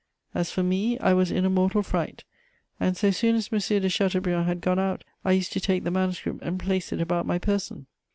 As for me, I was in a mortal fright: and, so soon as M. de Chateaubriand had gone out, I used to take the manuscript and place it about my person.